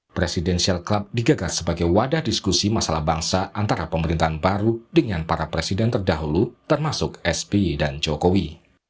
presidential club digagas sebagai wadah diskusi masalah bangsa antara pemerintahan baru dengan para presiden terdahulu termasuk sby dan jokowi